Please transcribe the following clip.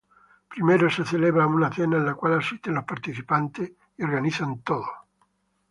Primero se celebra una cena en la cual asisten los participantes y organizan todo.